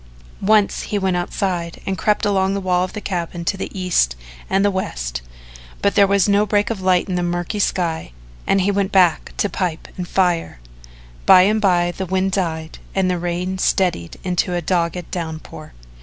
Once he went outside and crept along the wall of the cabin to the east and the west, but there was no break of light in the murky sky and he went back to pipe and fire. By and by the wind died and the rain steadied into a dogged downpour.